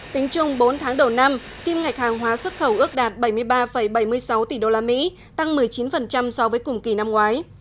tính chung bốn tháng đầu năm kim ngạch hàng hóa xuất khẩu ước đạt bảy mươi ba bảy mươi sáu tỷ usd tăng một mươi chín so với cùng kỳ năm ngoái